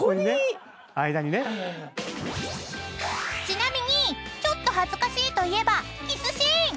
［ちなみにちょっと恥ずかしいといえばキスシーン］